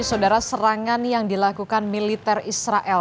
saudara serangan yang dilakukan militer israel